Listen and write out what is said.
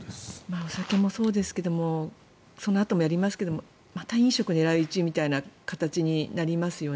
お酒もそうですけどこのあともやりますけどまた飲食狙い撃ちみたいな形になりますよね。